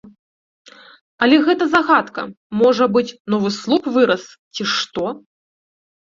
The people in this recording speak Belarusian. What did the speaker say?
Але гэта загадка, можа быць, новы слуп вырас ці што.